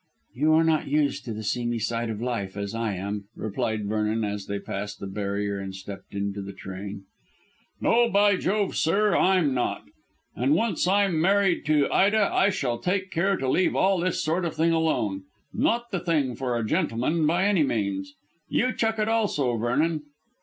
"You are not used to the seamy side of life as I am," replied Vernon as they passed the barrier and stepped into the train. "No, by jove, sir, I'm not. And once I am married to Ida I shall take care to leave all this sort of thing alone. Not the thing for a gentleman by any means. You chuck it also, Vernon."